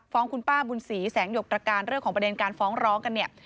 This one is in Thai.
ฟ้องคุณป้าบุญศรีแสงหยกตรการเรื่องของประเด็นการฟ้องร้องกันเนี่ย